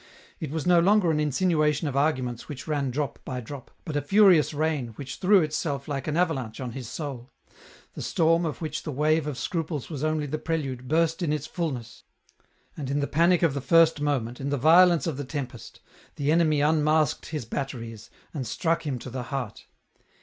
It was no longer an insinuation of arguments which ran drop by drop, but a furious rain, which threw itself like an avalanche on his soul. The storm, of which the wave of scruples was only the prelude, burst in its fulness ; and in the panic of the first moment, in the violence of the tempest, the enemy unmasked his batteries, and struck him to the heart.